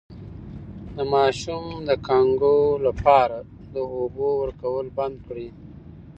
د ماشوم د کانګو لپاره د اوبو ورکول بند کړئ